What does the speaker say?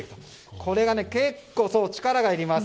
これが結構、力がいります。